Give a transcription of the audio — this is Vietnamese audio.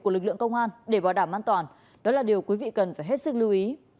của lực lượng công an để bảo đảm an toàn đó là điều quý vị cần phải hết sức lưu ý